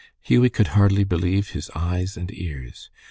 Hughie could hardly believe his eyes and ears.